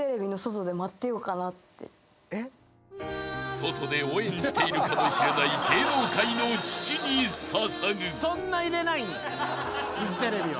［外で応援しているかもしれない芸能界の父に捧ぐ］